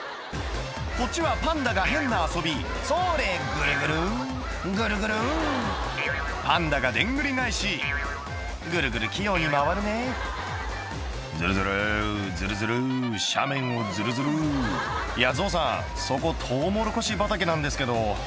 こっちはパンダが変な遊びそれグルグルグルグルパンダがでんぐり返しグルグル器用に回るねズルズルズルズル斜面をズルズルいや象さんそこトウモロコシ畑なんですけど